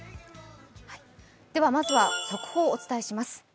まずは速報をお伝えします。